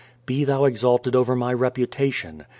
Be Thou exalted over my reputation.